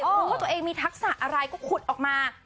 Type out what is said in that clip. รู้ว่าตัวเองมีทักษะอะไรก็ขุดออกมา